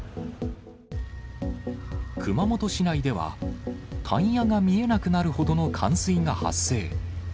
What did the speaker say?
熊本市内では、タイヤが見えなくなるほどの冠水が発生。